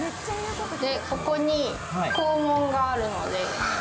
でここに肛門があるので。